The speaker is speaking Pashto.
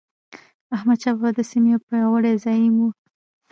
احمدشاه بابا د سیمې یو پیاوړی زعیم و.